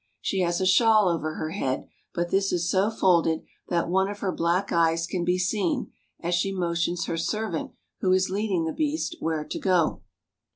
She has a shawl over her head, but this is so folded that one of her black eyes can be seen, as she motions her servant, who is leading the beast, where to go.